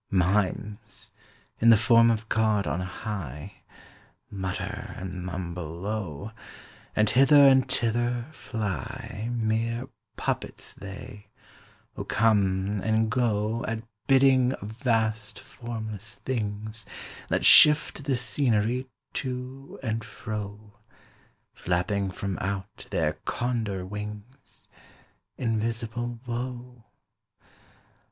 Mimes, in the form of God on high, Mutter and mumble low, 10 And hither and thither fly; Mere puppets they, who come and go At bidding of vast formless things That shift the scenery to and fro, Flapping from out their condor wings 15 Invisible Woe.